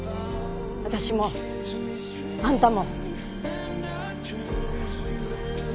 私もあんたも。